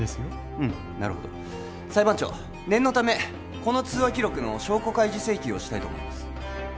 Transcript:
うんなるほど裁判長念のためこの通話記録の証拠開示請求をしたいと思います